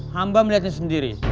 hamba melihatnya sendiri